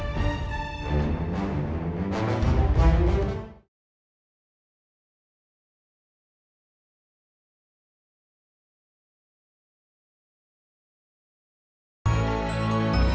sampai jumpa ya pronunciation